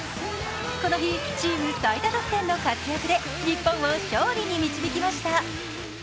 この日、チーム最多得点の活躍で日本を勝利に導きました。